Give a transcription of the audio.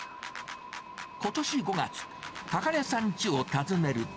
ことし５月、高根さんチを訪ねると。